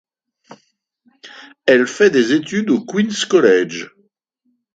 Elle fait des études au Queens College.